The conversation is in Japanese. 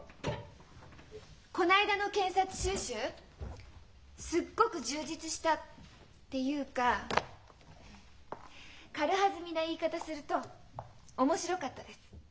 この間の検察修習すっごく充実したっていうか軽はずみな言い方すると面白かったです。